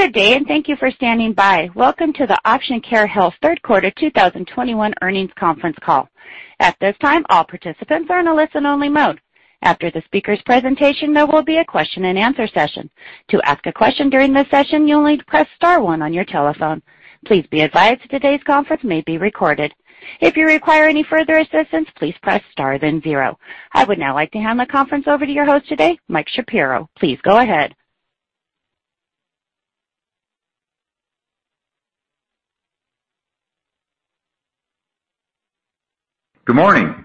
Good day, and thank you for standing by. Welcome to the Option Care Health Q3 2021 Earnings Conference Call. At this time, all participants are in a listen-only mode. After the speaker's presentation, there will be a question-and-answer session. To ask a question during this session, you'll need to press star one on your telephone. Please be advised today's conference may be recorded. If you require any further assistance, please press star then zero. I would now like to hand the conference over to your host today, Mike Shapiro. Please go ahead. Good morning.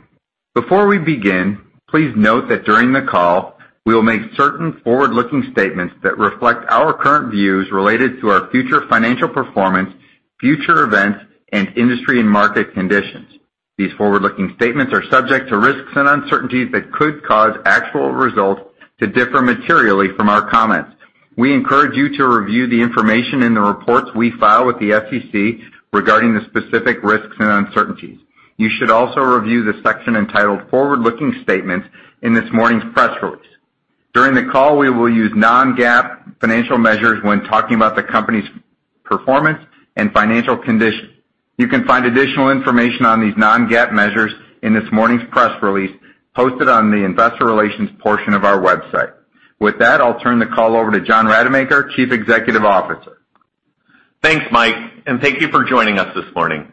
Before we begin, please note that during the call, we will make certain forward-looking statements that reflect our current views related to our future financial performance, future events, and industry and market conditions. These forward-looking statements are subject to risks and uncertainties that could cause actual results to differ materially from our comments. We encourage you to review the information in the reports we file with the SEC regarding the specific risks and uncertainties. You should also review the section entitled Forward-Looking Statements in this morning's press release. During the call, we will use non-GAAP financial measures when talking about the company's performance and financial condition. You can find additional information on these non-GAAP measures in this morning's press release posted on the investor relations portion of our website. With that, I'll turn the call over to John Rademacher, Chief Executive Officer. Thanks, Mike, and thank you for joining us this morning.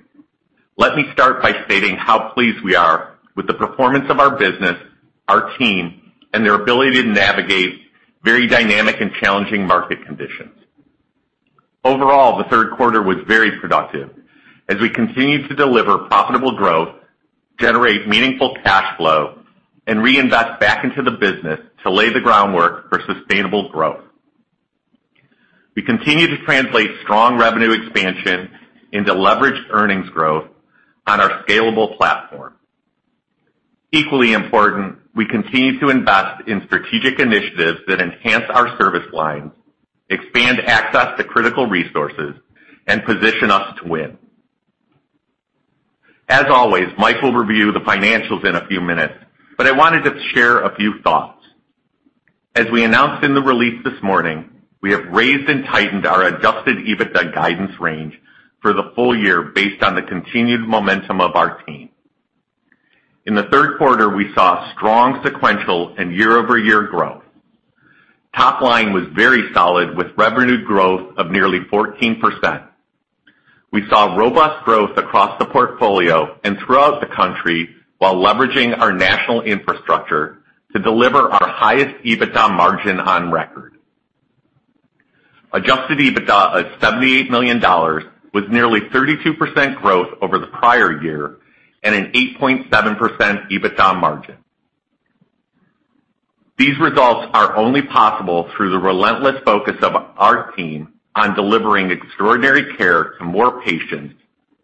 Let me start by stating how pleased we are with the performance of our business, our team, and their ability to navigate very dynamic and challenging market conditions. Overall, the Q3 was very productive as we continued to deliver profitable growth, generate meaningful cash flow, and reinvest back into the business to lay the groundwork for sustainable growth. We continue to translate strong revenue expansion into leveraged earnings growth on our scalable platform. Equally important, we continue to invest in strategic initiatives that enhance our service lines, expand access to critical resources, and position us to win. As always, Mike will review the financials in a few minutes, but I wanted to share a few thoughts. As we announced in the release this morning, we have raised and tightened our adjusted EBITDA guidance range for the full year based on the continued momentum of our team. In the Q3 we saw strong sequential and year-over-year growth. Top line was very solid with revenue growth of nearly 14%. We saw robust growth across the portfolio and throughout the country while leveraging our national infrastructure to deliver our highest EBITDA margin on record. Adjusted EBITDA of $78 million was nearly 32% growth over the prior year and an 8.7% EBITDA margin. These results are only possible through the relentless focus of our team on delivering extraordinary care to more patients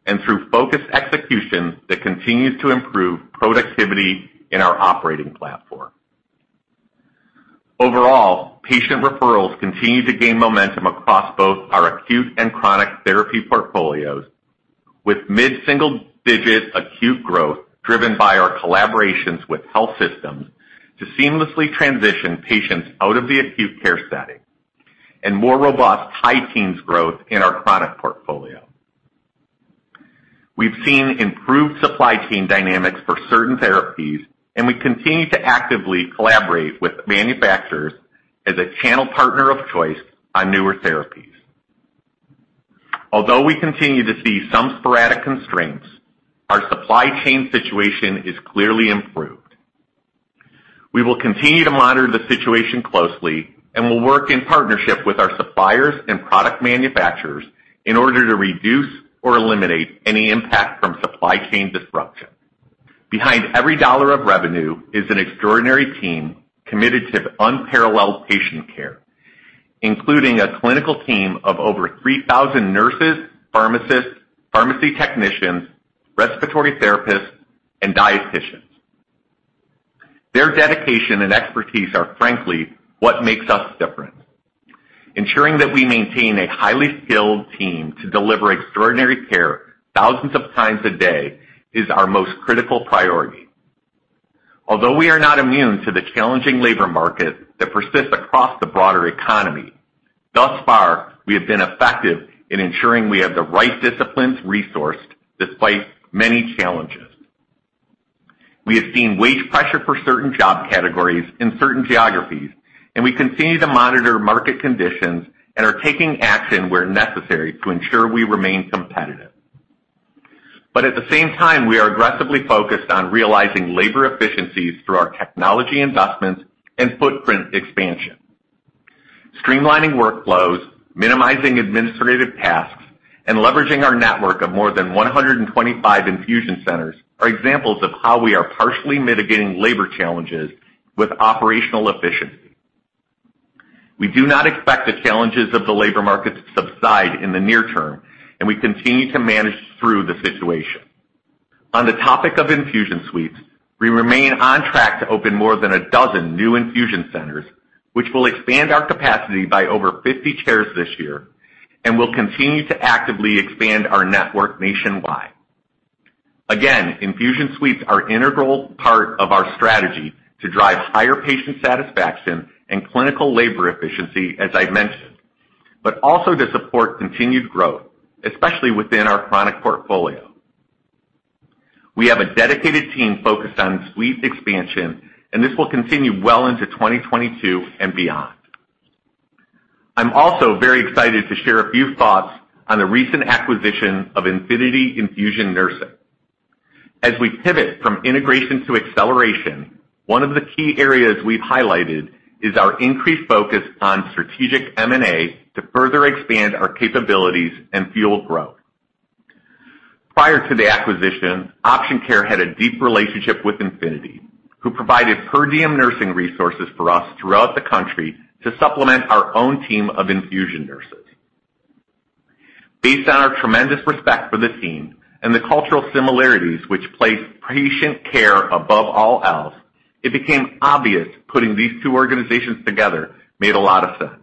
and through focused execution that continues to improve productivity in our operating platform. Overall, patient referrals continue to gain momentum across both our acute and chronic therapy portfolios, with mid-single-digit acute growth driven by our collaborations with health systems to seamlessly transition patients out of the acute care setting and more robust high teens growth in our chronic portfolio. We've seen improved supply chain dynamics for certain therapies, and we continue to actively collaborate with manufacturers as a channel partner of choice on newer therapies. Although we continue to see some sporadic constraints, our supply chain situation is clearly improved. We will continue to monitor the situation closely and will work in partnership with our suppliers and product manufacturers in order to reduce or eliminate any impact from supply chain disruption. Behind every dollar of revenue is an extraordinary team committed to unparalleled patient care, including a clinical team of over 3,000 nurses, pharmacists, pharmacy technicians, respiratory therapists, and dieticians. Their dedication and expertise are, frankly, what makes us different. Ensuring that we maintain a highly skilled team to deliver extraordinary care thousands of times a day is our most critical priority. Although we are not immune to the challenging labor market that persists across the broader economy, thus far, we have been effective in ensuring we have the right disciplines resourced despite many challenges. We have seen wage pressure for certain job categories in certain geographies, and we continue to monitor market conditions and are taking action where necessary to ensure we remain competitive. At the same time, we are aggressively focused on realizing labor efficiencies through our technology investments and footprint expansion. Streamlining workflows, minimizing administrative tasks, and leveraging our network of more than 125 infusion centers are examples of how we are partially mitigating labor challenges with operational efficiency. We do not expect the challenges of the labor market to subside in the near term, and we continue to manage through the situation. On the topic of infusion suites, we remain on track to open more than a dozen new infusion centers, which will expand our capacity by over 50 chairs this year and will continue to actively expand our network nationwide. Again, infusion suites are integral part of our strategy to drive higher patient satisfaction and clinical labor efficiency, as I mentioned, but also to support continued growth, especially within our chronic portfolio. We have a dedicated team focused on suite expansion, and this will continue well into 2022 and beyond. I'm also very excited to share a few thoughts on the recent acquisition of Infinity Infusion Nursing. As we pivot from integration to acceleration, one of the key areas we've highlighted is our increased focus on strategic M&A to further expand our capabilities and fuel growth. Prior to the acquisition, Option Care had a deep relationship with Infinity, who provided per diem nursing resources for us throughout the country to supplement our own team of infusion nurses. Based on our tremendous respect for the team and the cultural similarities which place patient care above all else, it became obvious putting these two organizations together made a lot of sense.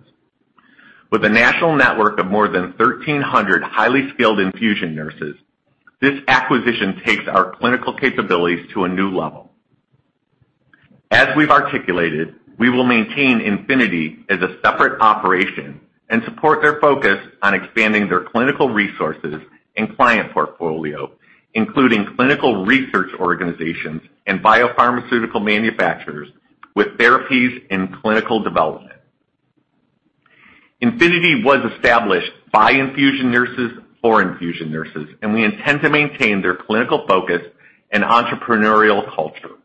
With a national network of more than 1,300 highly skilled infusion nurses, this acquisition takes our clinical capabilities to a new level. As we've articulated, we will maintain Infinity as a separate operation and support their focus on expanding their clinical resources and client portfolio, including clinical research organizations and biopharmaceutical manufacturers with therapies in clinical development. Infinity was established by infusion nurses for infusion nurses, and we intend to maintain their clinical focus and entrepreneurial culture.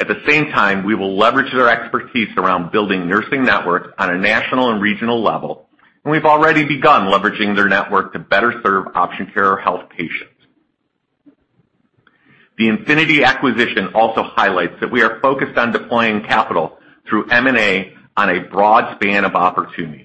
At the same time, we will leverage their expertise around building nursing networks on a national and regional level, and we've already begun leveraging their network to better serve Option Care Health patients. The Infinity acquisition also highlights that we are focused on deploying capital through M&A on a broad span of opportunities.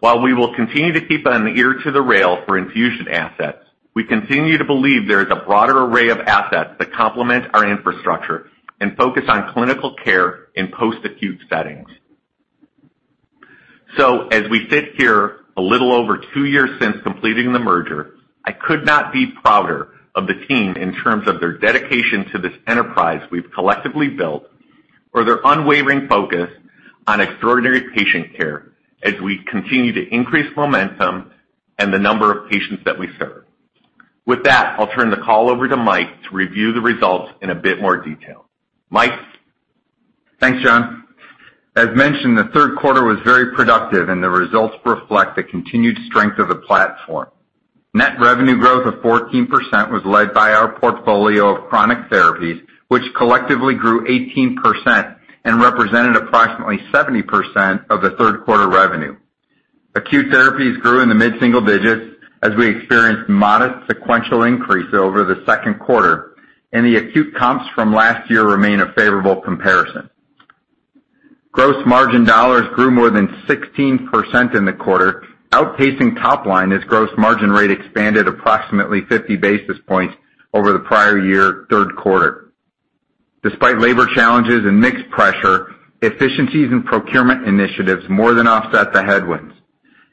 While we will continue to keep an ear to the rail for infusion assets, we continue to believe there is a broader array of assets that complement our infrastructure and focus on clinical care in post-acute settings. As we sit here a little over two years since completing the merger, I could not be prouder of the team in terms of their dedication to this enterprise we've collectively built or their unwavering focus on extraordinary patient care as we continue to increase momentum and the number of patients that we serve. With that, I'll turn the call over to Mike to review the results in a bit more detail. Mike? Thanks, John. As mentioned, the Q3 was very productive, and the results reflect the continued strength of the platform. Net revenue growth of 14% was led by our portfolio of chronic therapies, which collectively grew 18% and represented approximately 70% of the Q3 revenue. Acute therapies grew in the mid-single digits as we experienced modest sequential increase over the Q2, and the acute comps from last year remain a favorable comparison. Gross margin dollars grew more than 16% in the quarter, outpacing top line as gross margin rate expanded approximately 50 basis points over the prior year Q3. Despite labor challenges and mixed pressure, efficiencies and procurement initiatives more than offset the headwinds.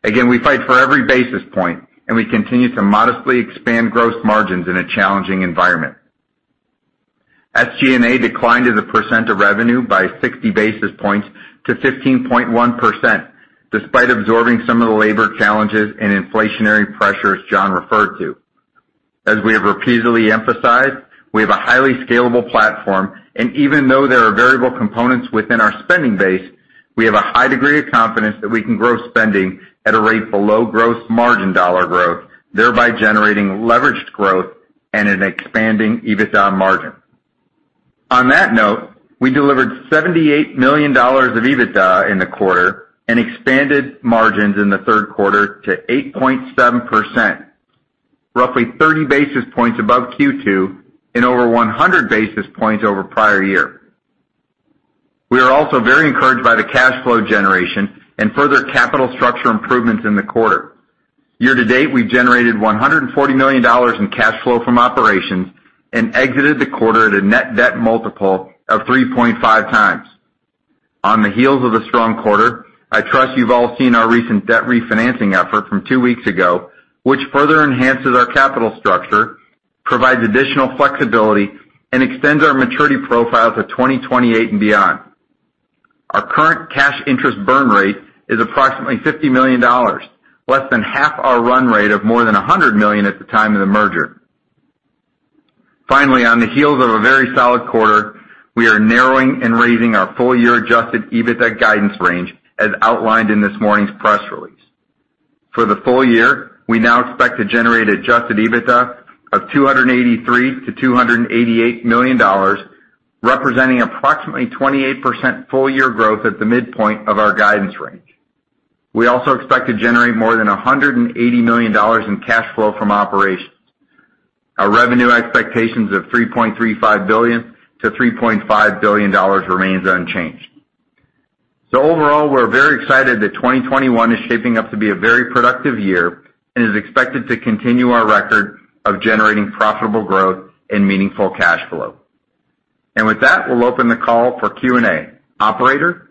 Again, we fight for every basis point, and we continue to modestly expand gross margins in a challenging environment. SG&A declined as a percent of revenue by 60 basis points to 15.1% despite absorbing some of the labor challenges and inflationary pressures John referred to. As we have repeatedly emphasized, we have a highly scalable platform, and even though there are variable components within our spending base, we have a high degree of confidence that we can grow spending at a rate below gross margin dollar growth, thereby generating leveraged growth and an expanding EBITDA margin. On that note, we delivered $78 million of EBITDA in the quarter and expanded margins in the Q3 to 8.7%, roughly 30 basis points above Q2 and over 100 basis points over prior year. We are also very encouraged by the cash flow generation and further capital structure improvements in the quarter. Year to date, we've generated $140 million in cash flow from operations and exited the quarter at a net debt multiple of 3.5x. On the heels of the strong quarter, I trust you've all seen our recent debt refinancing effort from two weeks ago, which further enhances our capital structure, provides additional flexibility, and extends our maturity profile to 2028 and beyond. Our current cash interest burn rate is approximately $50 million, less than half our run rate of more than $100 million at the time of the merger. Finally, on the heels of a very solid quarter, we are narrowing and raising our full year adjusted EBITDA guidance range as outlined in this morning's press release. For the full year, we now expect to generate adjusted EBITDA of $283 million-$288 million, representing approximately 28% full year growth at the midpoint of our guidance range. We also expect to generate more than $180 million in cash flow from operations. Our revenue expectations of $3.35 billion-$3.5 billion remains unchanged. Overall, we're very excited that 2021 is shaping up to be a very productive year and is expected to continue our record of generating profitable growth and meaningful cash flow. With that, we'll open the call for Q&A. Operator?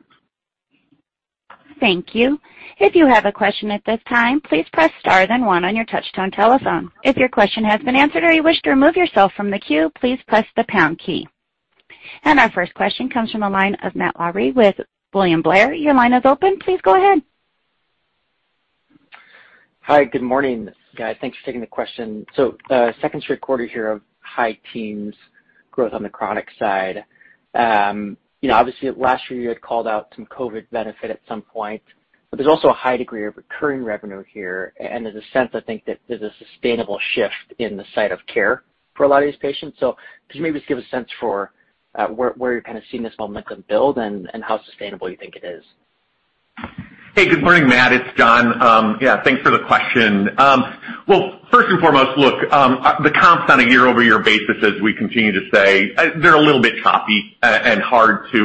Thank you. If you have a question at this time, please press star then one on your touchtone telephone. If your question has been answered or you wish to remove yourself from the queue, please press the pound key. Our first question comes from the line of Matt Larew with William Blair. Your line is open. Please go ahead. Hi. Good morning, guys. Thanks for taking the question. Second straight quarter here of high-teens growth on the chronic side. You know, obviously last year you had called out some COVID benefit at some point, but there's also a high degree of recurring revenue here, and there's a sense, I think, that there's a sustainable shift in the site of care for a lot of these patients. Could you maybe just give a sense for where you're kinda seeing this momentum build and how sustainable you think it is? Hey, good morning, Matt. It's John. Yeah, thanks for the question. Well, first and foremost, look, the comps on a year-over-year basis, as we continue to say, they're a little bit choppy and hard to,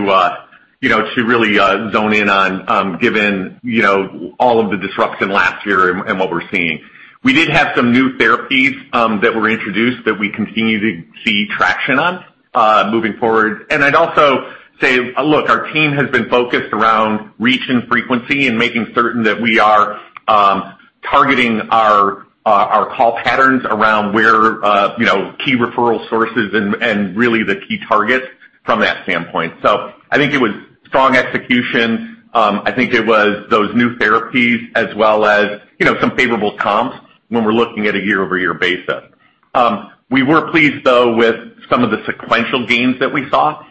you know, to really zone in on, given, you know, all of the disruption last year and what we're seeing. We did have some new therapies that were introduced that we continue to see traction on, moving forward. I'd also say, look, our team has been focused around reach and frequency and making certain that we are targeting our call patterns around where, you know, key referral sources and really the key targets from that standpoint. I think it was strong execution. I think it was those new therapies as well as, you know, some favorable comps when we're looking at a year-over-year basis. We were pleased though with some of the sequential gains that we saw.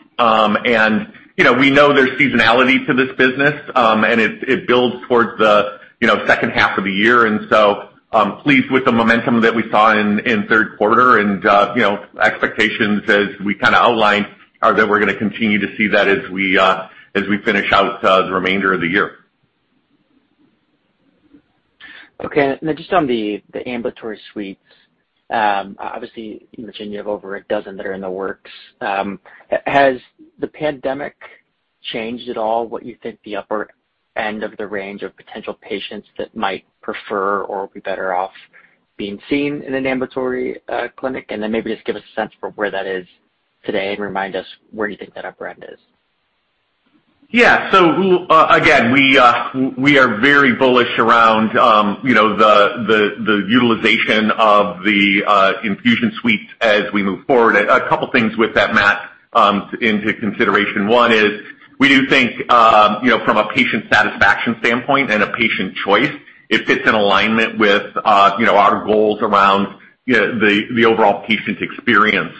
You know, we know there's seasonality to this business, and it builds towards the, you know, H2 of the year. Pleased with the momentum that we saw in Q3 and, you know, expectations as we kinda outlined are that we're gonna continue to see that as we finish out the remainder of the year. Just on the ambulatory suites, obviously you mentioned you have over a dozen that are in the works. Has the pandemic changed at all what you think the upper end of the range of potential patients that might prefer or will be better off being seen in an ambulatory clinic? Maybe just give us a sense for where that is today and remind us where you think that upper end is. Yeah. We are very bullish around, you know, the utilization of the infusion suites as we move forward. A couple things with that, Matt, into consideration. One is we do think, you know, from a patient satisfaction standpoint and a patient choice, it fits in alignment with, you know, our goals around, you know, the overall patient experience.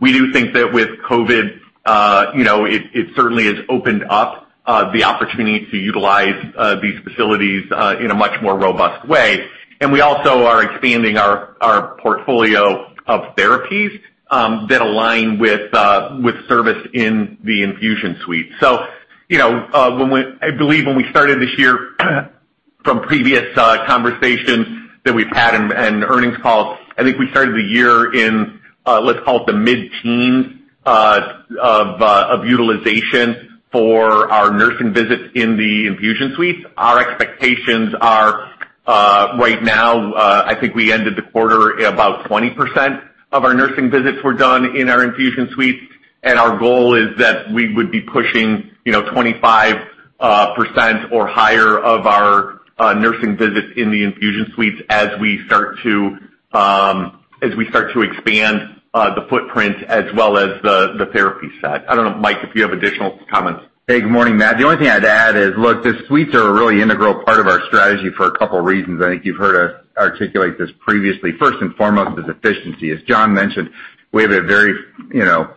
We do think that with COVID, you know, it certainly has opened up the opportunity to utilize these facilities in a much more robust way. We also are expanding our portfolio of therapies that align with service in the infusion suite. You know, I believe when we started this year from previous conversations that we've had and earnings calls, I think we started the year in, let's call it the mid-teens of utilization for our nursing visits in the infusion suites. Our expectations are right now I think we ended the quarter about 20% of our nursing visits were done in our infusion suites, and our goal is that we would be pushing, you know, 25% or higher of our nursing visits in the infusion suites as we start to expand the footprint as well as the therapy set. I don't know, Mike, if you have additional comments. Hey, good morning, Matt. The only thing I'd add is, look, the suites are a really integral part of our strategy for a couple reasons. I think you've heard us articulate this previously. First and foremost is efficiency. As John mentioned, we have a very, you know,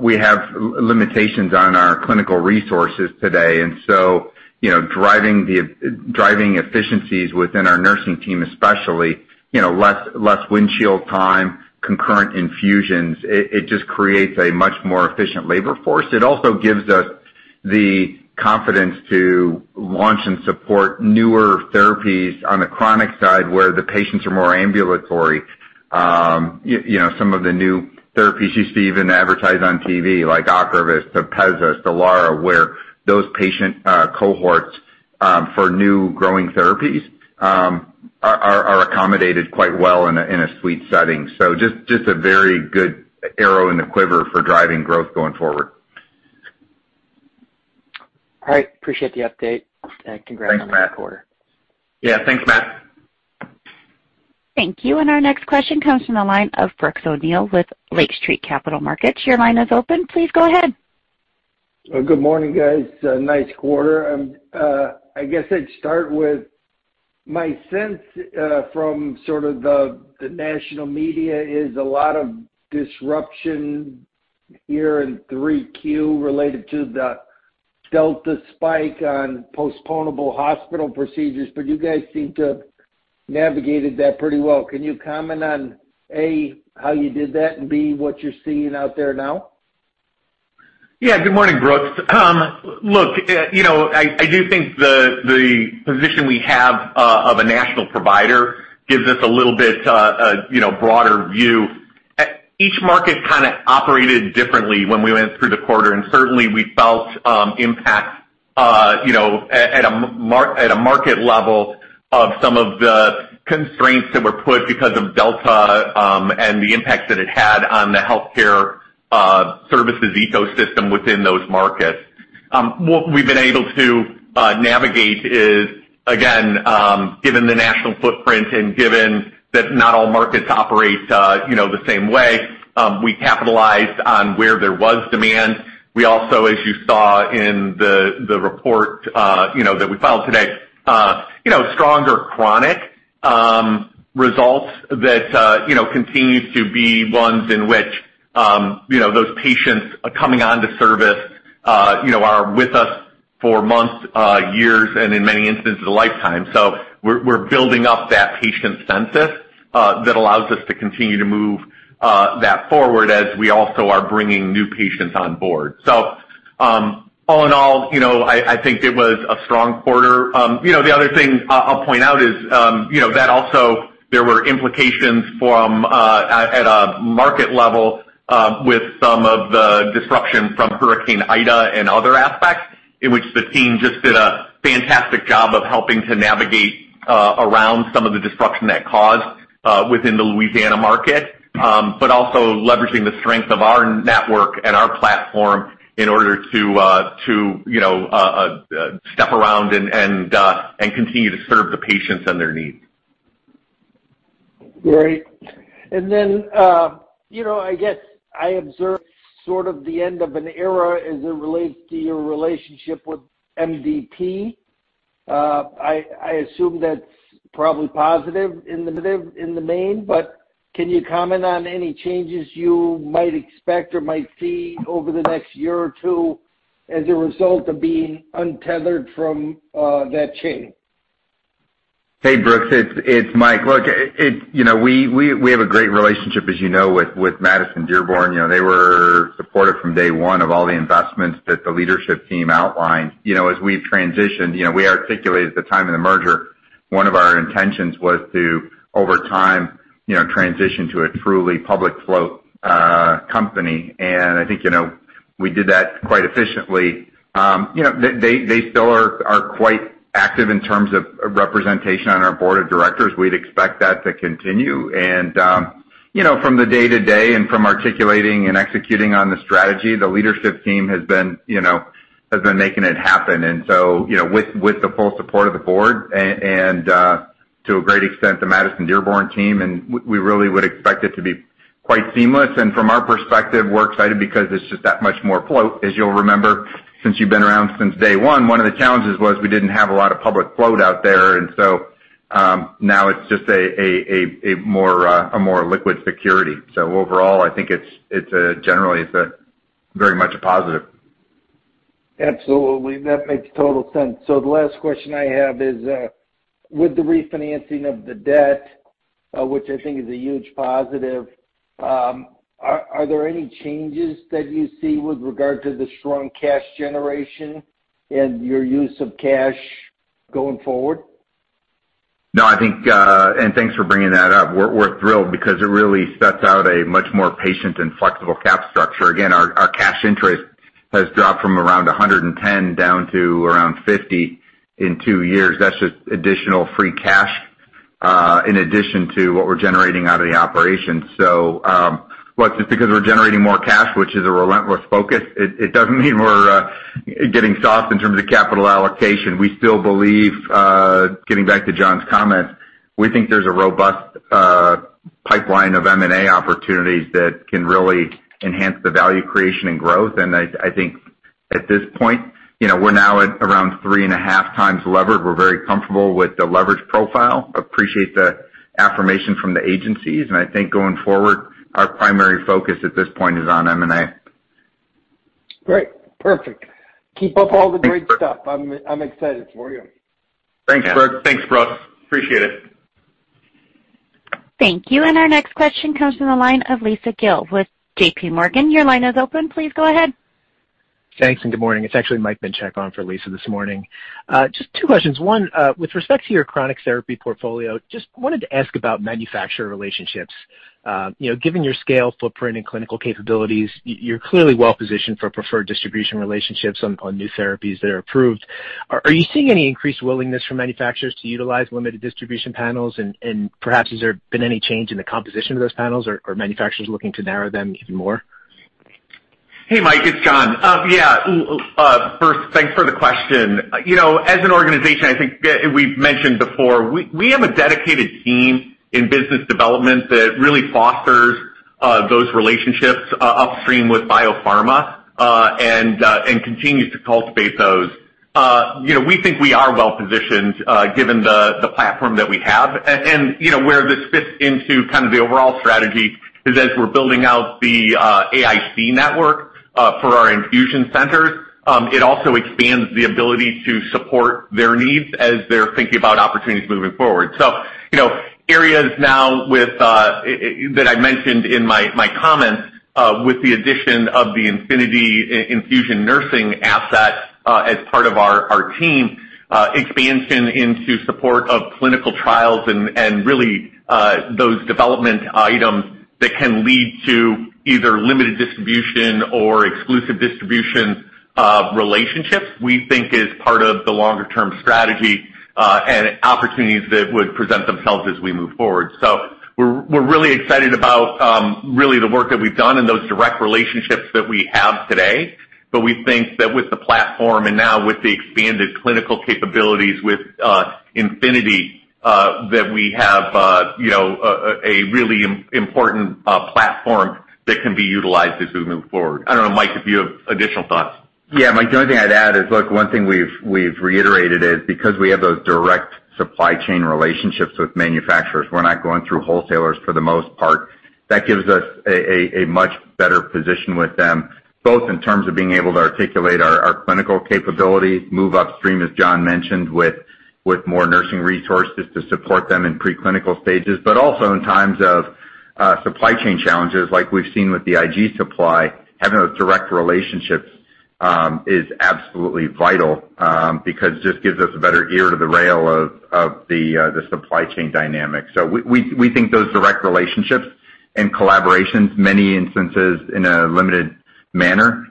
we have limitations on our clinical resources today, and so, you know, driving efficiencies within our nursing team especially, you know, less windshield time, concurrent infusions, it just creates a much more efficient labor force. It also gives us the confidence to launch and support newer therapies on the chronic side where the patients are more ambulatory. You know, some of the new therapies you see even advertised on TV like OCREVUS®, Repatha®, STELARA®, where those patient cohorts for new growing therapies are accommodated quite well in a suite setting. Just a very good arrow in the quiver for driving growth going forward. All right. Appreciate the update and congrats on the quarter. Yeah. Thanks, Matt. Thank you. Our next question comes from the line of Brooks O'Neil with Lake Street Capital Markets. Your line is open. Please go ahead. Good morning, guys. A nice quarter. I guess I'd start with my sense from sort of the national media is a lot of disruption here in Q3 related to the Delta spike on postponable hospital procedures, but you guys seem to have navigated that pretty well. Can you comment on, A, how you did that, and B, what you're seeing out there now? Good morning, Brooks. Look, you know, I do think the position we have of a national provider gives us a little bit, a you know, broader view. Each market kind of operated differently when we went through the quarter, and certainly we felt impact, you know, at a market level of some of the constraints that were put because of Delta, and the impact that it had on the healthcare services ecosystem within those markets. What we've been able to navigate is, again, given the national footprint and given that not all markets operate, you know, the same way, we capitalized on where there was demand. We also, as you saw in the report, you know, that we filed today, you know, stronger chronic results that, you know, continues to be ones in which, you know, those patients are coming on to service, you know, are with us for months, years, and in many instances, a lifetime so we're building up that patient census that allows us to continue to move that forward as we also are bringing new patients on board. All in all, you know, I think it was a strong quarter. You know, the other thing I'll point out is, you know, that also there were implications from at a market level with some of the disruption from Hurricane Ida and other aspects in which the team just did a fantastic job of helping to navigate around some of the disruption that caused within the Louisiana market. Also leveraging the strength of our network and our platform in order to you know step around and continue to serve the patients and their needs. Great. I guess I observed sort of the end of an era as it relates to your relationship with MDP. I assume that's probably positive in the main. Can you comment on any changes you might expect or might see over the next year or two as a result of being untethered from that chain? Hey, Brooks. It's Mike. Look, you know, we have a great relationship, as you know, with Madison Dearborn. You know, they were supportive from day one of all the investments that the leadership team outlined. You know, as we've transitioned, you know, we articulated at the time of the merger, one of our intentions was to, over time, you know, transition to a truly public float company. I think, you know, we did that quite efficiently. You know, they still are quite active in terms of representation on our board of directors. We'd expect that to continue. You know, from the day-to-day and from articulating and executing on the strategy, the leadership team has been, you know, making it happen. You know, with the full support of the board and to a great extent, the Madison Dearborn team, we really would expect it to be quite seamless. From our perspective, we're excited because it's just that much more float. As you'll remember, since you've been around since day one of the challenges was we didn't have a lot of public float out there. Now it's just a more liquid security. Overall, I think it's generally very much a positive. Absolutely. That makes total sense. The last question I have is, with the refinancing of the debt, which I think is a huge positive, are there any changes that you see with regard to the strong cash generation and your use of cash going forward? No, I think. Thanks for bringing that up. We're thrilled because it really sets out a much more patient and flexible cap structure. Again, our cash interest has dropped from around $110 down to around $50 in two years. That's just additional free cash, in addition to what we're generating out of the operation. Well, just because we're generating more cash, which is a relentless focus, it doesn't mean we're getting soft in terms of capital allocation. We still believe, getting back to John's comments, we think there's a robust pipeline of M&A opportunities that can really enhance the value creation and growth. I think at this point, you know, we're now at around 3.5x levered. We're very comfortable with the leverage profile. We appreciate the affirmation from the agencies. I think going forward, our primary focus at this point is on M&A. Great. Perfect. Keep up all the great stuff. I'm excited for you. Thanks, Brooks. Thanks, Brooks. I appreciate it. Thank you. Our next question comes from the line of Lisa Gill with JPMorgan. Your line is open. Please go ahead. Thanks, and good morning. It's actually Mike Minchak on for Lisa this morning. Just two questions. One, with respect to your chronic therapy portfolio, just wanted to ask about manufacturer relationships. You know, given your scale, footprint, and clinical capabilities, you're clearly well positioned for preferred distribution relationships on new therapies that are approved. Are you seeing any increased willingness from manufacturers to utilize limited distribution panels? And perhaps, has there been any change in the composition of those panels or manufacturers looking to narrow them even more? Hey, Mike, it's John. First, thanks for the question. You know, as an organization, I think, yeah, we've mentioned before, we have a dedicated team in business development that really fosters those relationships upstream with biopharma, and continues to cultivate those. You know, we think we are well-positioned, given the platform that we have. You know, where this fits into kind of the overall strategy is as we're building out the AIC network for our infusion centers, it also expands the ability to support their needs as they're thinking about opportunities moving forward. You know, areas now with that I mentioned in my comments, with the addition of the Infinity Infusion Nursing asset, as part of our team expansion into support of clinical trials and really those development items that can lead to either limited distribution or exclusive distribution relationships, we think is part of the longer term strategy and opportunities that would present themselves as we move forward. We're really excited about really the work that we've done and those direct relationships that we have today. We think that with the platform and now with the expanded clinical capabilities with Infinity that we have, you know, a really important platform that can be utilized as we move forward. I don't know, Mike, if you have additional thoughts. Yeah. Mike, the only thing I'd add is, look, one thing we've reiterated is because we have those direct supply chain relationships with manufacturers, we're not going through wholesalers for the most part. That gives us a much better position with them, both in terms of being able to articulate our clinical capabilities, move upstream, as John mentioned, with more nursing resources to support them in preclinical stages, but also in times of supply chain challenges like we've seen with the IG supply. Having those direct relationships is absolutely vital, because it just gives us a better ear to the ground of the supply chain dynamic. We think those direct relationships and collaborations, many instances in a limited manner,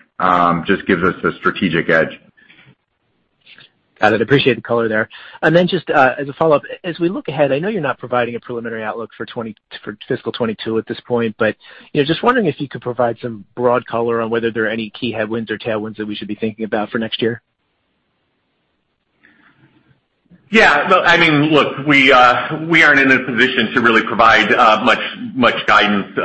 just gives us a strategic edge. Got it. Appreciate the color there. Just, as a follow-up, as we look ahead, I know you're not providing a preliminary outlook for fiscal 2022 at this point, but, you know, just wondering if you could provide some broad color on whether there are any key headwinds or tailwinds that we should be thinking about for next year. Yeah. Well, I mean, look, we aren't in a position to really provide much guidance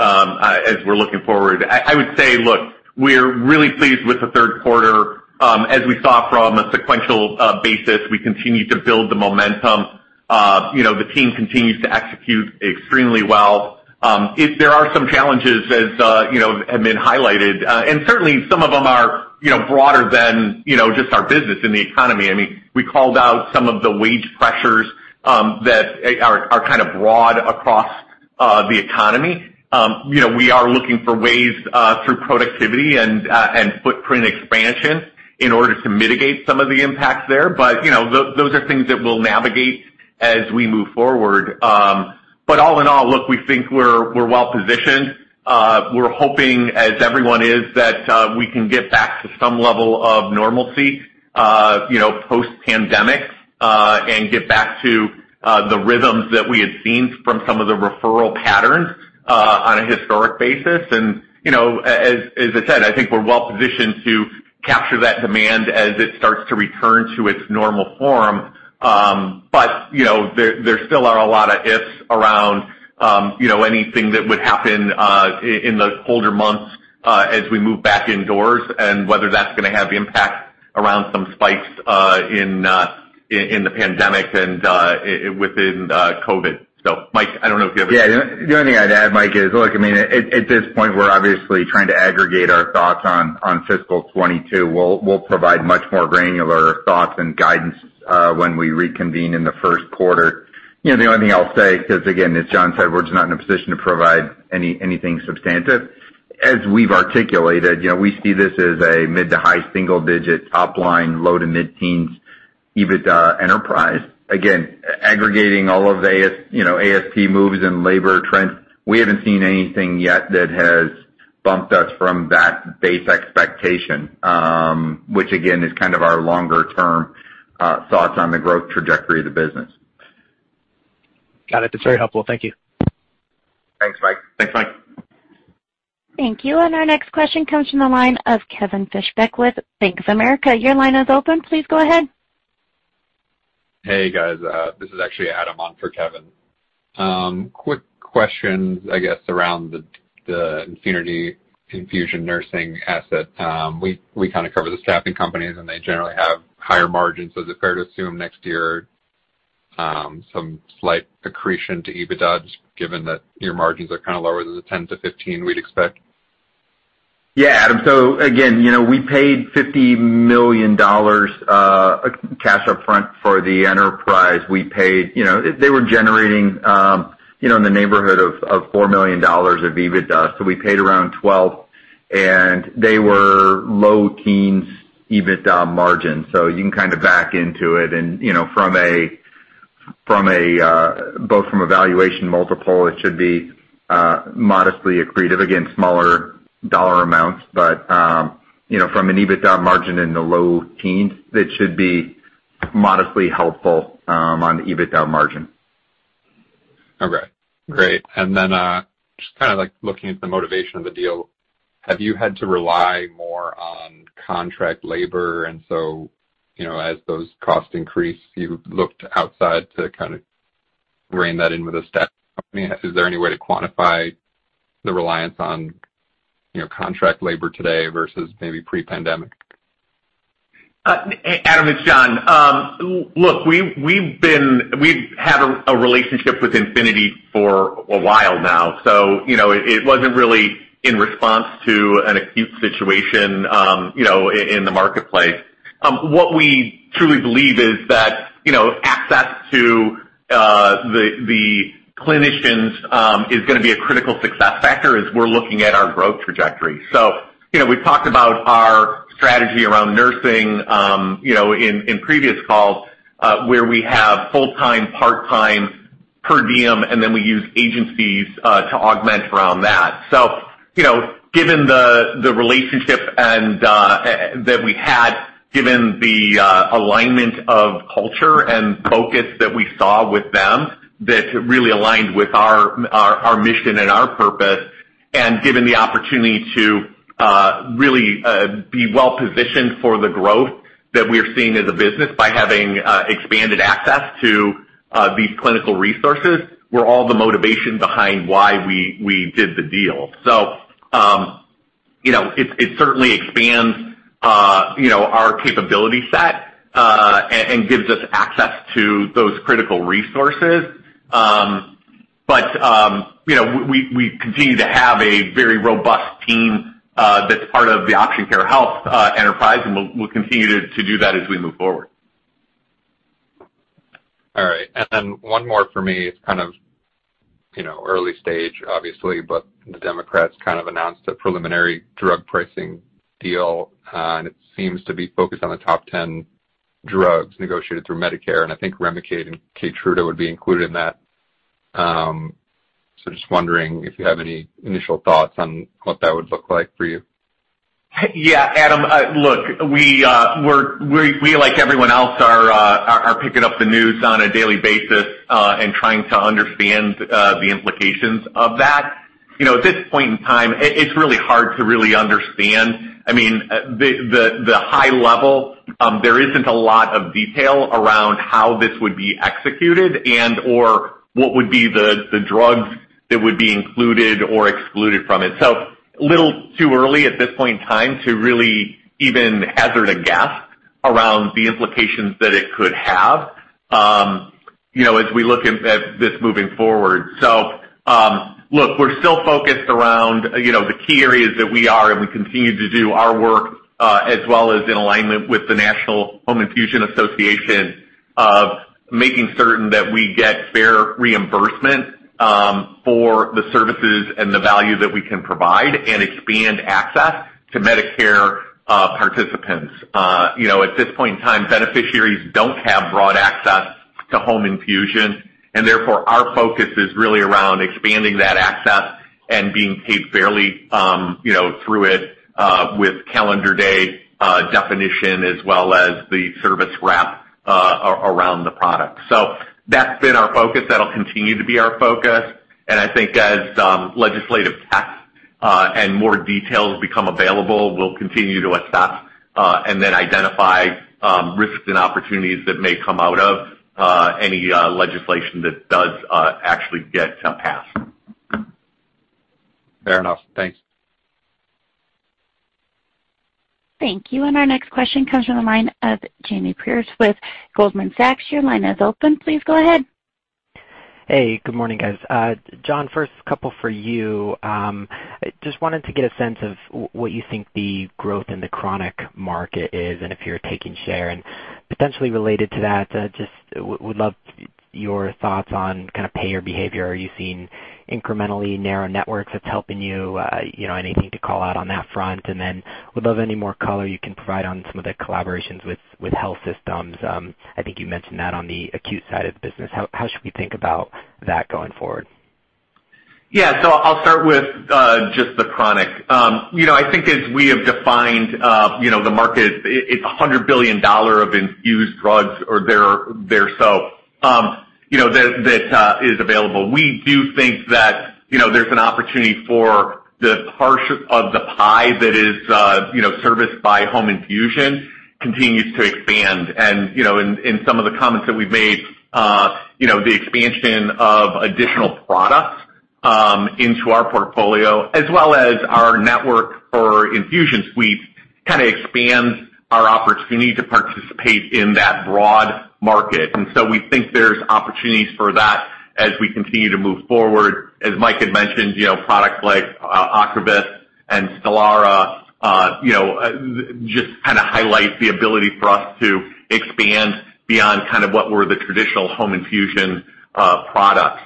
as we're looking forward. I would say, look, we're really pleased with the Q3. As we saw from a sequential basis, we continue to build the momentum. You know, the team continues to execute extremely well. There are some challenges as you know have been highlighted. Certainly some of them are, you know, broader than, you know, just our business in the economy. I mean, we called out some of the wage pressures that are kind of broad across the economy. You know, we are looking for ways through productivity and footprint expansion in order to mitigate some of the impacts there but you know, those are things that we'll navigate as we move forward. All in all, look, we think we're well positioned. We're hoping, as everyone is, that we can get back to some level of normalcy, you know, post-pandemic, and get back to the rhythms that we had seen from some of the referral patterns on a historic basis. You know, as I said, I think we're well positioned to capture that demand as it starts to return to its normal form. You know, there still are a lot of ifs around, you know, anything that would happen in the colder months as we move back indoors and whether that's gonna have impact around some spikes in the pandemic and within COVID. Mike, I don't know if you have something? The only thing I'd add, Mike, is, look, I mean, at this point we're obviously trying to aggregate our thoughts on fiscal 2022. We'll provide much more granular thoughts and guidance when we reconvene in the Q1. You know, the only thing I'll say, 'cause again, as John said, we're just not in a position to provide anything substantive. As we've articulated, you know, we see this as a mid- to high-single-digit top line, low- to mid-teens EBIT enterprise. Again, aggregating all of the ASP moves and labor trends, you know, we haven't seen anything yet that has bumped us from that base expectation, which again, is kind of our longer-term thoughts on the growth trajectory of the business. Got it. That's very helpful. Thank you. Thanks, Mike. Thanks, Mike. Thank you. Our next question comes from the line of Kevin Fischbeck with Bank of America. Your line is open. Please go ahead. Hey, guys. This is actually Adam on for Kevin. Quick question, I guess, around the Infinity Infusion Nursing asset. We kinda cover the staffing companies, and they generally have higher margins. Is it fair to assume next year some slight accretion to EBITDA just given that your margins are kinda lower than the 10%-15% we'd expect? Yeah. Adam. Again, you know, we paid $50 million cash up front for the enterprise. You know, they were generating in the neighborhood of $4 million of EBITDA, so we paid around 12, and they were low teens EBITDA margin so you can kind of back into it and, you know, from a valuation multiple, it should be modestly accretive. Again, smaller dollar amounts, but you know, from an EBITDA margin in the low teens, it should be modestly helpful on EBITDA margin. Okay, great. Just kinda like looking at the motivation of the deal, have you had to rely more on contract labor and so, you know, as those costs increase, you've looked outside to kind of rein that in with a step? I mean, is there any way to quantify the reliance on, you know, contract labor today versus maybe pre-pandemic? Adam, it's John. Look, we've had a relationship with Infinity for a while now, so you know, it wasn't really in response to an acute situation in the marketplace. What we truly believe is that, you know, access to the clinicians is gonna be a critical success factor as we're looking at our growth trajectory. You know, we've talked about our strategy around nursing in previous calls, where we have full-time, part-time, per diem, and then we use agencies to augment around that. You know, given the relationship and that we had, given the alignment of culture and focus that we saw with them that really aligned with our mission and our purpose. Given the opportunity to really be well-positioned for the growth that we're seeing as a business by having expanded access to these clinical resources, we're all the motivation behind why we did the deal. You know, it certainly expands our capability set and gives us access to those critical resources. You know, we continue to have a very robust team that's part of the Option Care Health enterprise, and we'll continue to do that as we move forward. All right. Then one more from me. It's kind of, you know, early stage, obviously, but the Democrats kind of announced a preliminary drug pricing deal, and it seems to be focused on the top 10 drugs negotiated through Medicare, and I think REMICADE® and KEYTRUDA® would be included in that. Just wondering if you have any initial thoughts on what that would look like for you. Yeah, Adam, look, we, like everyone else, are picking up the news on a daily basis and trying to understand the implications of that. You know, at this point in time, it's really hard to really understand. I mean, the high level, there isn't a lot of detail around how this would be executed and/or what would be the drugs that would be included or excluded from it so, a little too early at this point in time to really even hazard a guess around the implications that it could have, you know, as we look at this moving forward. Look, we're still focused around, you know, the key areas that we are, and we continue to do our work as well as in alignment with the National Home Infusion Association of making certain that we get fair reimbursement for the services and the value that we can provide and expand access to Medicare participants. You know, at this point in time, beneficiaries don't have broad access to home infusion, and therefore our focus is really around expanding that access and being paid fairly, you know, through it with calendar day definition as well as the service wrap around the product. That's been our focus. That'll continue to be our focus. I think as legislative text and more details become available, we'll continue to assess and then identify risks and opportunities that may come out of any legislation that does actually get passed. Fair enough. Thanks. Thank you. Our next question comes from the line of Jamie Perse with Goldman Sachs. Your line is open. Please go ahead. Hey, good morning, guys. John, first couple for you. Just wanted to get a sense of what you think the growth in the chronic market is and if you're taking share. Potentially related to that, just would love your thoughts on kind of payer behavior. Are you seeing incrementally narrow networks that's helping you? You know, anything to call out on that front. Would love any more color you can provide on some of the collaborations with health systems. I think you mentioned that on the acute side of the business. How should we think about that going forward? Yeah. I'll start with just the chronic. You know, I think as we have defined you know the market, it's a $100 billion of infused drugs or thereabouts. You know, that is available. We do think that you know there's an opportunity for the part of the pie that is you know serviced by home infusion continues to expand. You know, in some of the comments that we've made you know the expansion of additional products into our portfolio as well as our network for infusion suites kinda expands our opportunity to participate in that broad market. We think there's opportunities for that as we continue to move forward. As Mike had mentioned, you know, products like OCREVUS® and STELARA® just kinda highlight the ability for us to expand beyond kind of what were the traditional home infusion products.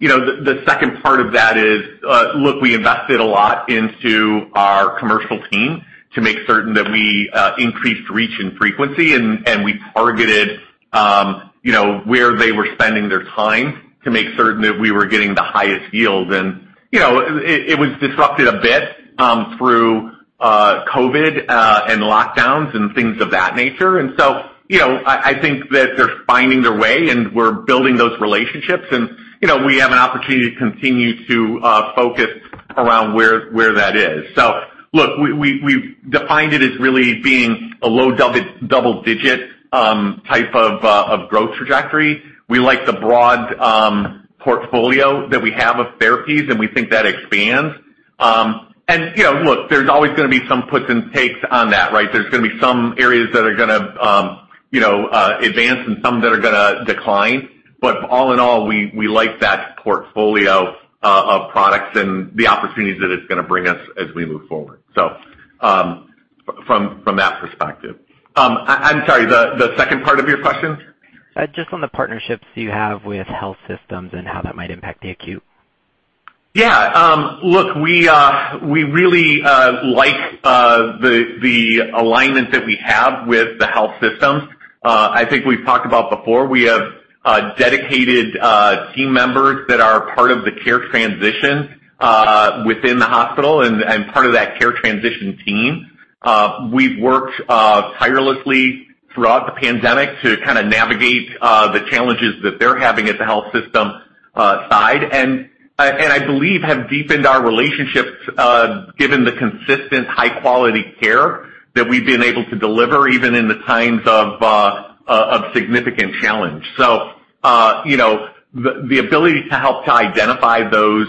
The second part of that is, look, we invested a lot into our commercial team to make certain that we increased reach and frequency, and we targeted you know where they were spending their time to make certain that we were getting the highest yield. You know, it was disrupted a bit through COVID and lockdowns and things of that nature. You know, I think that they're finding their way and we're building those relationships. You know, we have an opportunity to continue to focus around where that is. Look, we've defined it as really being a low double-digit type of growth trajectory. We like the broad portfolio that we have of therapies, and we think that expands. You know, look, there's always gonna be some puts and takes on that, right? There's gonna be some areas that are gonna advance and some that are gonna decline. All in all, we like that portfolio of products and the opportunities that it's gonna bring us as we move forward. From that perspective. I'm sorry, the second part of your question? Just on the partnerships you have with health systems and how that might impact the acute? Look, we really like the alignment that we have with the health systems. I think we've talked about before, we have dedicated team members that are part of the care transition within the hospital and part of that care transition team. We've worked tirelessly throughout the pandemic to kinda navigate the challenges that they're having at the health system side. I believe we have deepened our relationships given the consistent high-quality care that we've been able to deliver even in the times of significant challenge. You know, the ability to help to identify those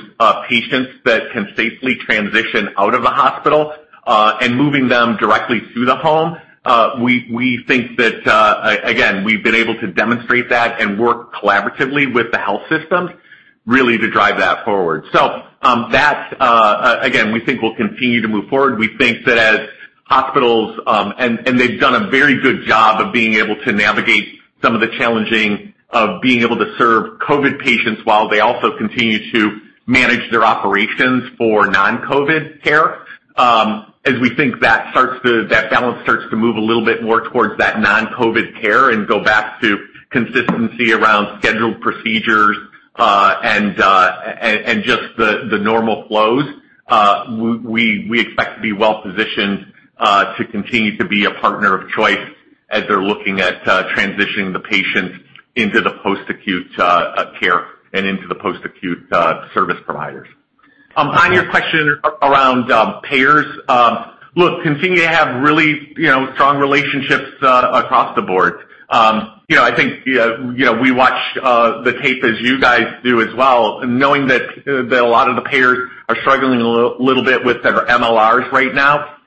patients that can safely transition out of the hospital and moving them directly to the home, we think that again, we've been able to demonstrate that and work collaboratively with the health systems really to drive that forward. That's again, we think will continue to move forward. We think that as hospitals and they've done a very good job of being able to navigate some of the challenges of being able to serve COVID patients while they also continue to manage their operations for non-COVID care. As we think that balance starts to move a little bit more towards that non-COVID care and go back to consistency around scheduled procedures, and just the normal flows, we expect to be well positioned to continue to be a partner of choice as they're looking at transitioning the patients into the post-acute care and into the post-acute service providers. On your question around payers, look, continue to have really, you know, strong relationships across the board. You know, I think, you know, we watch the tape as you guys do as well, knowing that a lot of the payers are struggling a little bit with their MLRs right now.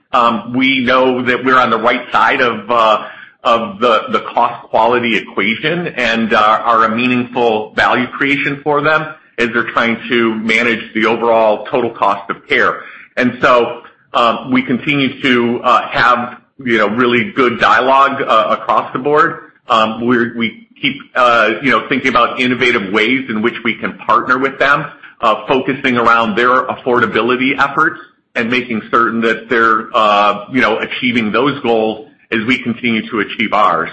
We know that we're on the right side of the cost quality equation and are a meaningful value creation for them as they're trying to manage the overall total cost of care. We continue to have, you know, really good dialogue across the board. We keep, you know, thinking about innovative ways in which we can partner with them, focusing around their affordability efforts and making certain that they're, you know, achieving those goals as we continue to achieve ours.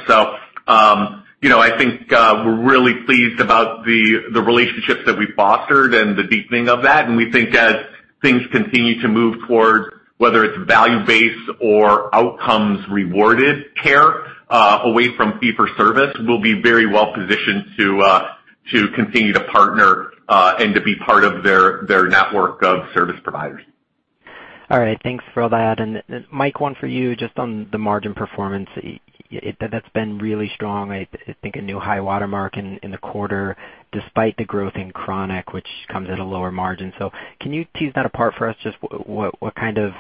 You know, I think, we're really pleased about the relationships that we fostered and the deepening of that. We think as things continue to move towards whether it's value-based or outcomes rewarded care, away from fee for service, we'll be very well positioned to continue to partner, and to be part of their network of service providers. All right. Thanks for all that. Mike, one for you, just on the margin performance. That, that's been really strong. I think a new high watermark in the quarter despite the growth in chronic, which comes at a lower margin. Can you tease that apart for us? Just what kind of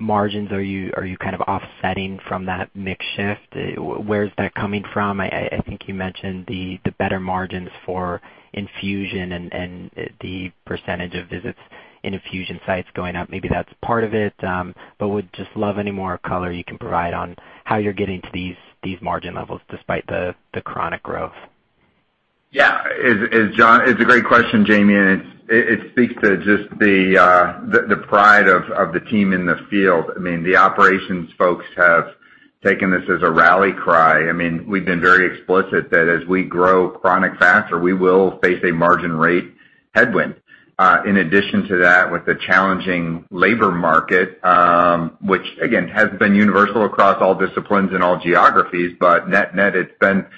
margins are you kind of offsetting from that mix shift? Where is that coming from? I think you mentioned the better margins for infusion and the percentage of visits in infusion sites going up. Maybe that's part of it. Would just love any more color you can provide on how you're getting to these margin levels despite the chronic growth. Yeah. It's a great question, Jamie, and it speaks to just the pride of the team in the field. I mean, the operations folks have taken this as a rally cry. I mean, we've been very explicit that as we grow chronic faster, we will face a margin rate headwind. In addition to that, with the challenging labor market, which again has been universal across all disciplines and all geographies, but net-net, it's been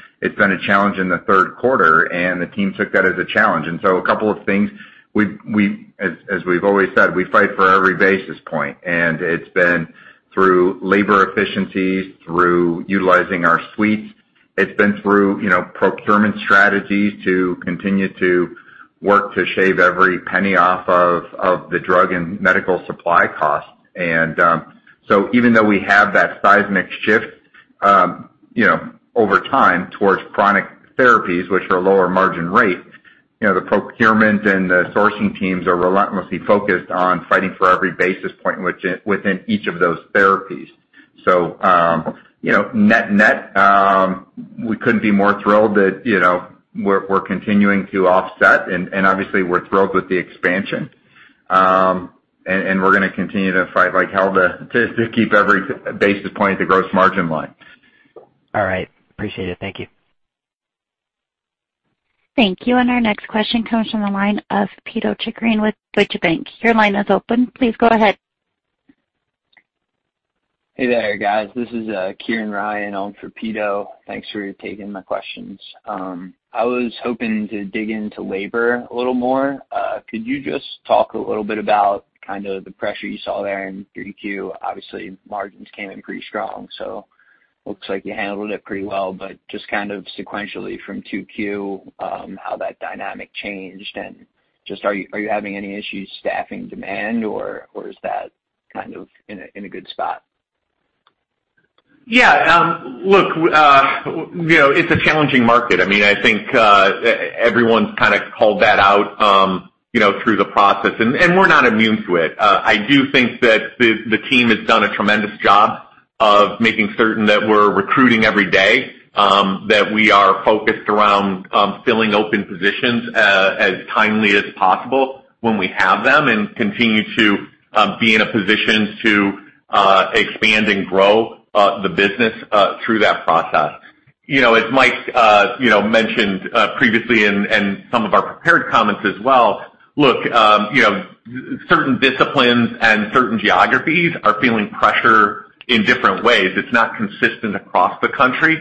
a challenge in the Q3, and the team took that as a challenge. A couple of things. As we've always said, we fight for every basis point, and it's been through labor efficiencies, through utilizing our suites. It's been through, you know, procurement strategies to continue to work to shave every penny off of the drug and medical supply costs. Even though we have that seismic shift, you know, over time towards chronic therapies, which are lower margin rate, you know, the procurement and the sourcing teams are relentlessly focused on fighting for every basis point within each of those therapies. Net-net, we couldn't be more thrilled that, you know, we're continuing to offset and obviously we're thrilled with the expansion. We're gonna continue to fight like hell to keep every basis point at the gross margin line. All right. Appreciate it. Thank you. Thank you. Our next question comes from the line of Pito Chickering with Deutsche Bank. Your line is open. Please go ahead. Hey there, guys. This is Kieran Ryan on for Pito Chickering. Thanks for taking my questions. I was hoping to dig into labor a little more. Could you just talk a little bit about kind of the pressure you saw there in Q3? Obviously, margins came in pretty strong, so looks like you handled it pretty well. Just kind of sequentially from Q2, how that dynamic changed, and just are you having any issues staffing demand, or is that kind of in a good spot? Yeah. Look, you know, it's a challenging market. I mean, I think, everyone's kinda called that out, you know, through the process, and we're not immune to it. I do think that the team has done a tremendous job of making certain that we're recruiting every day, that we are focused around filling open positions as timely as possible when we have them, and continue to be in a position to expand and grow the business through that process. You know, as Mike, you know, mentioned, previously and some of our prepared comments as well, look, you know, certain disciplines and certain geographies are feeling pressure in different ways. It's not consistent across the country.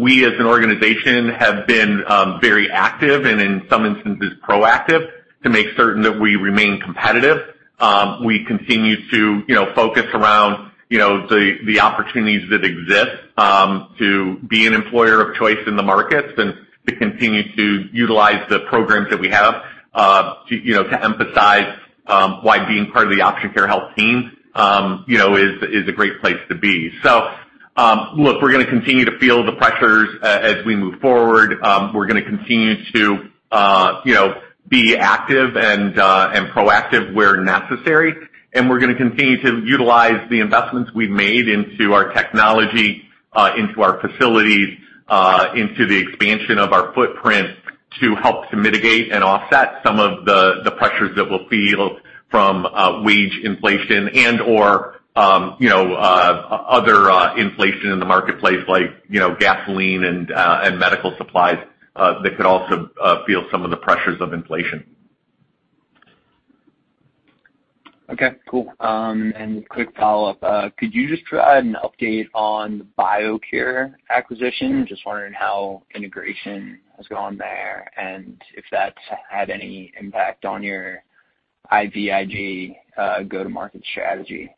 We as an organization have been, very active and in some instances proactive to make certain that we remain competitive. We continue to, you know, focus around, you know, the opportunities that exist, to be an employer of choice in the markets and to continue to utilize the programs that we have, to, you know, to emphasize, why being part of the Option Care Health team, you know, is a great place to be. Look, we're gonna continue to feel the pressures as we move forward. We're gonna continue to, you know, be active and proactive where necessary, and we're gonna continue to utilize the investments we've made into our technology, into our facilities, into the expansion of our footprint to help to mitigate and offset some of the pressures that we'll feel from wage inflation and/or, you know, other inflation in the marketplace like, you know, gasoline and medical supplies that could also feel some of the pressures of inflation. Okay, cool. Quick follow-up. Could you just provide an update on the BioCare acquisition? Just wondering how integration has gone there and if that's had any impact on your IVIG go-to-market strategy.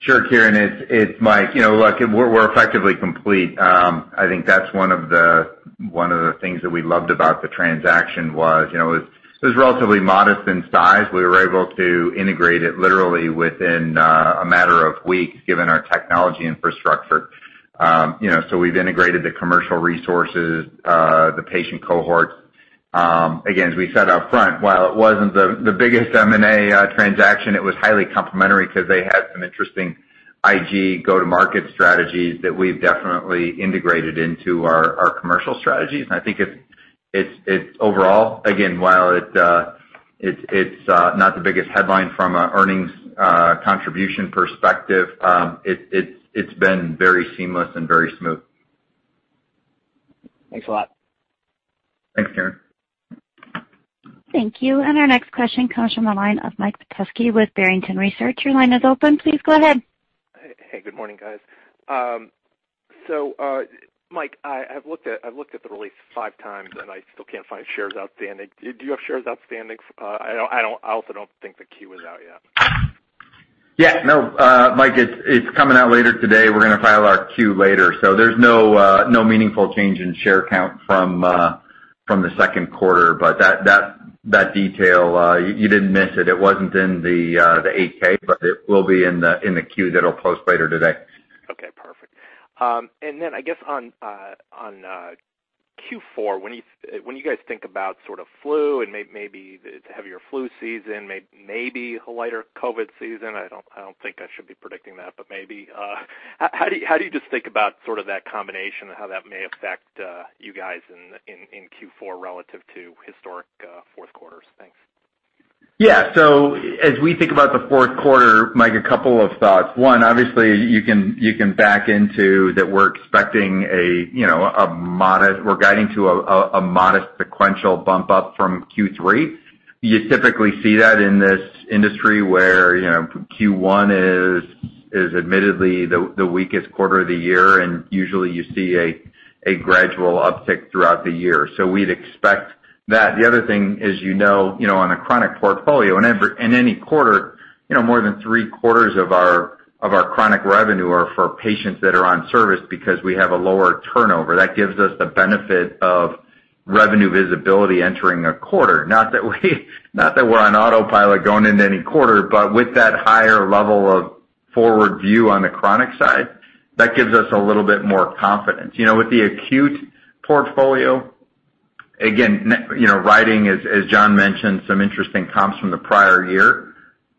Sure, Kieran. It's Mike. You know, look, we're effectively complete. I think that's one of the things that we loved about the transaction was, you know, it was relatively modest in size. We were able to integrate it literally within a matter of weeks given our technology infrastructure. You know, so we've integrated the commercial resources, the patient cohorts. Again, as we said up front, while it wasn't the biggest M&A transaction, it was highly complementary because they had some interesting IG go-to-market strategies that we've definitely integrated into our commercial strategies. I think it's overall, again, while it's not the biggest headline from an earnings contribution perspective, it's been very seamless and very smooth. Thanks a lot. Thanks, Kieran. Thank you. Our next question comes from the line of Mike Petusky with Barrington Research. Your line is open. Please go ahead. Hey. Good morning, guys. Mike, I've looked at the release five times, and I still can't find shares outstanding. Do you have shares outstanding? I don't, I also don't think the Q is out yet. Yeah. No, Mike, it's coming out later today. We're gonna file our Q later. There's no meaningful change in share count from the Q2. That detail, you didn't miss it. It wasn't in the 8-K, but it will be in the Q that'll post later today. Okay, perfect. I guess on Q4, when you guys think about sort of flu and maybe the heavier flu season, maybe a lighter COVID season, I don't think I should be predicting that, but maybe. How do you just think about sort of that combination and how that may affect you guys in Q4 relative to historic Q4s? Thanks. Yeah. As we think about the Q4, Mike, a couple of thoughts. One, obviously you can back into that we're expecting a modest sequential bump up from Q3. You typically see that in this industry where Q1 is admittedly the weakest quarter of the year, and usually you see a gradual uptick throughout the year. We'd expect that. The other thing is, you know, on a chronic portfolio in any quarter, you know, more than three-quarters of our chronic revenue are for patients that are on service because we have a lower turnover. That gives us the benefit of revenue visibility entering a quarter. Not that we're on autopilot going into any quarter, but with that higher level of forward view on the chronic side, that gives us a little bit more confidence. You know, with the acute portfolio, again, you know, riding, as John mentioned, some interesting comps from the prior year.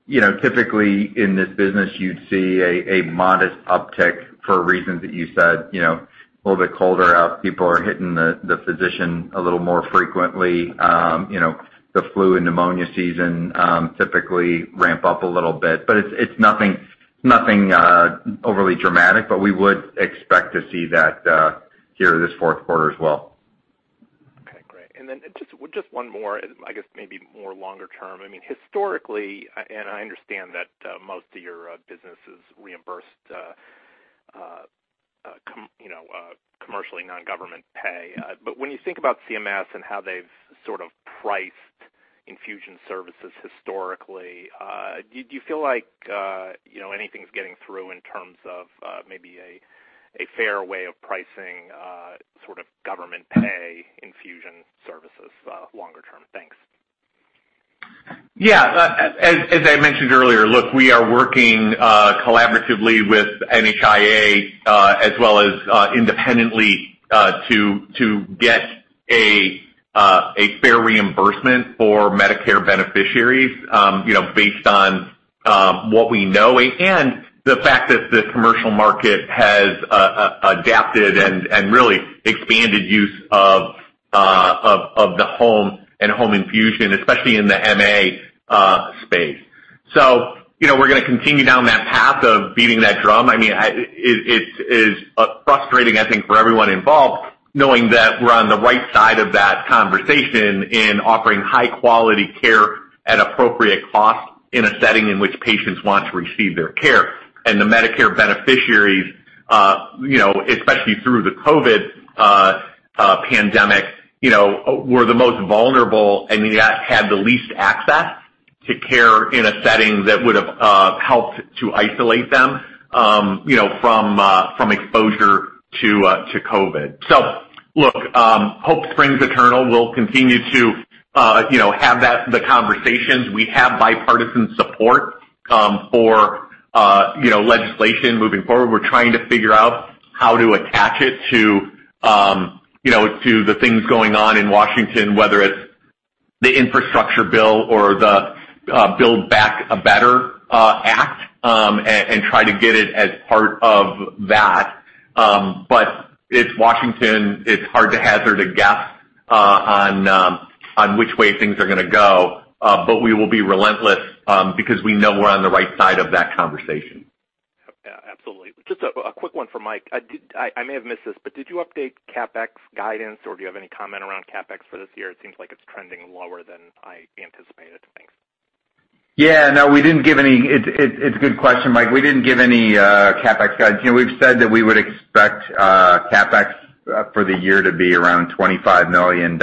You know, typically in this business you'd see a modest uptick for reasons that you said, you know, a little bit colder out, people are hitting the physician a little more frequently. You know, the flu and pneumonia season typically ramp up a little bit. But it's nothing overly dramatic, but we would expect to see that here this Q4 as well. Okay, great. Just one more, I guess maybe more longer term. I mean, historically, and I understand that most of your business is reimbursed, you know, commercially non-government pay. When you think about CMS and how they've sort of priced infusion services historically, do you feel like, you know, anything's getting through in terms of, maybe a fair way of pricing, sort of government pay infusion services, longer term? Thanks. Yeah. As I mentioned earlier, look, we are working collaboratively with NHIA, as well as independently, to get a fair reimbursement for Medicare beneficiaries, you know, based on what we know and the fact that the commercial market has adapted and really expanded use of the home and home infusion, especially in the MA space. You know, we're gonna continue down that path of beating that drum. I mean, it is frustrating, I think, for everyone involved, knowing that we're on the right side of that conversation in offering high quality care at appropriate cost in a setting in which patients want to receive their care. The Medicare beneficiaries, you know, especially through the COVID pandemic, you know, were the most vulnerable and yet had the least access to care in a setting that would've helped to isolate them, you know, from exposure to COVID. Look, hope springs eternal. We'll continue to, you know, have that, the conversations. We have bipartisan support for, you know, legislation moving forward. We're trying to figure out how to attach it to, you know, to the things going on in Washington, whether it's the infrastructure bill or the Build Back Better Act, and try to get it as part of that. It's Washington, it's hard to hazard a guess on which way things are gonna go. We will be relentless because we know we're on the right side of that conversation. Yeah, absolutely. Just a quick one for Mike. I may have missed this, but did you update CapEx guidance, or do you have any comment around CapEx for this year? It seems like it's trending lower than I anticipated. Thanks. Yeah, no, we didn't give any. It's a good question, Mike. We didn't give any CapEx guidance. You know, we've said that we would expect CapEx for the year to be around $25 million.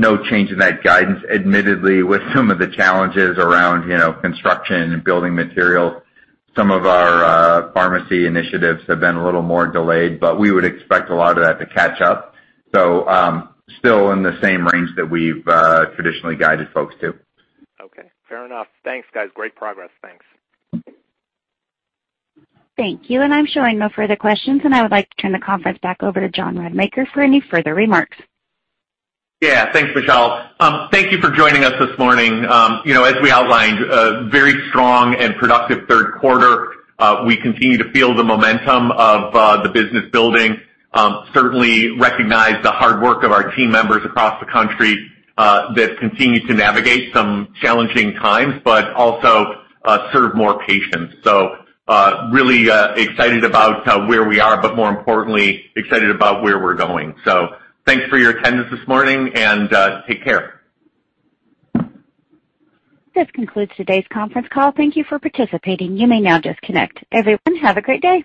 No change in that guidance. Admittedly, with some of the challenges around, you know, construction and building materials, some of our pharmacy initiatives have been a little more delayed, but we would expect a lot of that to catch up. Still in the same range that we've traditionally guided folks to. Okay, fair enough. Thanks, guys. Great progress. Thanks. Thank you. I'm showing no further questions, and I would like to turn the conference back over to John Rademacher for any further remarks. Yeah. Thanks, Michelle. Thank you for joining us this morning. You know, as we outlined, a very strong and productive Q3. We continue to feel the momentum of the business building. Certainly recognize the hard work of our team members across the country that continue to navigate some challenging times but also serve more patients. Really excited about where we are, but more importantly, excited about where we're going. Thanks for your attendance this morning, and take care. This concludes today's conference call. Thank you for participating. You may now disconnect. Everyone, have a great day.